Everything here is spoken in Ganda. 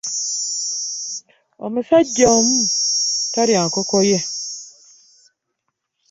Omusajja omu talya nkoko ye?